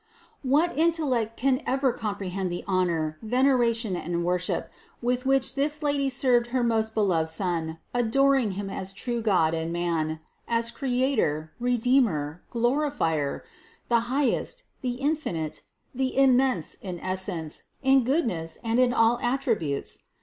What intellect can ever com prehend the honor, veneration and worship with which this Lady served her most beloved Son, adoring Him as true God and Man, as Creator, Redeemer, Glorifier, the Highest, the Infinite, the Immense in essence, in goodness and in all attributes?